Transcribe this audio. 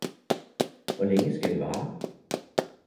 hvor længe skal det vare!